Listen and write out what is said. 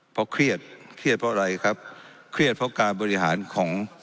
เพราะเครียดเครียดเพราะอะไรครับเครียดเพราะการบริหารของ